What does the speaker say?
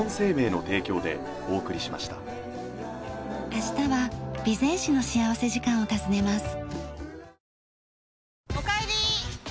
明日は備前市の幸福時間を訪ねます。